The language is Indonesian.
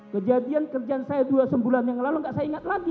kejadian kerjaan saya dua sebulan yang lalu nggak saya ingat lagi